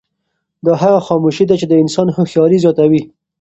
دا هغه خاموشي ده چې د انسان هوښیاري زیاتوي.